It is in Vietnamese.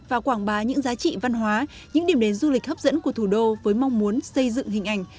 và quảng bá những giá trị văn hóa những điểm đến du lịch hấp dẫn của thủ đô với mong muốn xây dựng hình ảnh